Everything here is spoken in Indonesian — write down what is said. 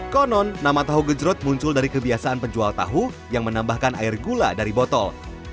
konon nama tahu gejrot muncul dari kebiasaan penjual tahu yang menambahkan air gula dari botol